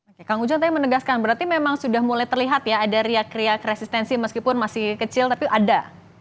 oke kang ujang tapi menegaskan berarti memang sudah mulai terlihat ya ada riak riak resistensi meskipun masih kecil tapi ada